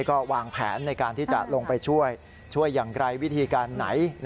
ก็วางแผนในการที่จะลงไปช่วยช่วยอย่างไรวิธีการไหน